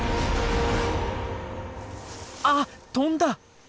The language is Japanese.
あっ跳んだ！